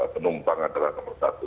penumpang adalah nomor satu